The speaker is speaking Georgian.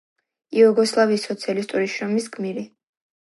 იუგოსლავიის სოციალისტური შრომის გმირი.